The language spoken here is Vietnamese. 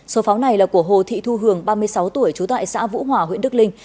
số pháo này là của hồ thị thu hường ba mươi sáu tuổi trú tại xã vũ hòa huyện đức linh